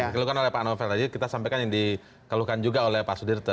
dikeluhkan oleh pak novel tadi kita sampaikan yang dikeluhkan juga oleh pak sudirta